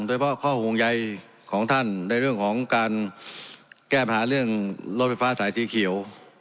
โดยเฉพาะข้อห่วงใยของท่านในเรื่องของการแก้ปัญหาเรื่องรถไฟฟ้าสายสีเขียว